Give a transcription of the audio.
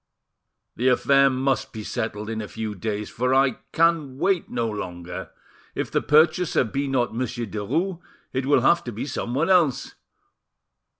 "The affair must be settled in a few days, for I can wait no longer; if the purchaser be not Monsieur Derues, it will have to be someone else.